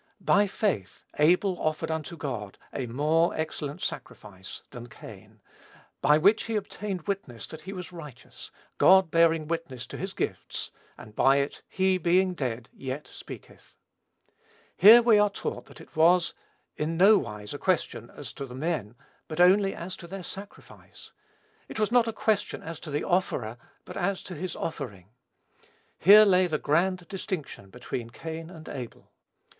"By faith Abel offered unto God a more excellent sacrifice ([Greek: pleiona thysian]) than Cain, by which he obtained witness that he was righteous, God bearing witness ([Greek: martyrountos]) to his gifts; and by it he being dead yet speaketh." Here we are taught that it was, in nowise, a question as to the men, but only as to their "sacrifice," it was not a question as to the offerer, but as to his offering. Here lay the grand distinction between Cain and Abel.